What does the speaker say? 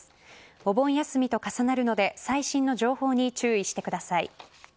お盆休みと重なるので最新の情報に注意してください。